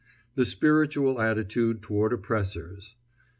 THE SPIRITUAL ATTITUDE TOWARD OPPRESSORS.